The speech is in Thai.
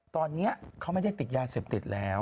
ตอนนี้เขาไม่ได้ติดยาเสพติดแล้ว